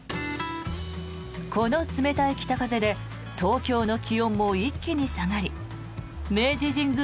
この冷たい北風で東京の気温も一気に下がり明治神宮